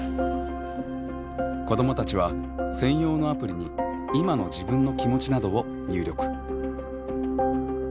子どもたちは専用のアプリに今の自分の気持ちなどを入力。